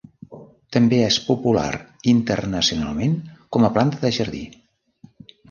També és popular internacionalment com a planta de jardí.